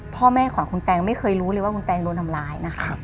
พ่อแม่ของคุณแตงไม่เคยรู้เลยว่าคุณแตงโดนทำร้ายนะคะ